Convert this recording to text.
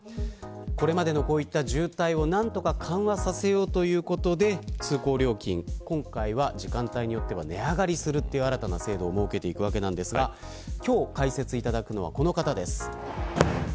これまでのこういった渋滞を何とか緩和させようということで通行料金、今回は時間帯によっては値上がりするという新たな制度を設けていくわけなんですが今日解説いただくのはこの方です。